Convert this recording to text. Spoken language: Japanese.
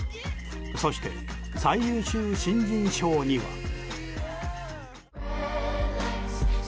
そして最優秀新人賞には。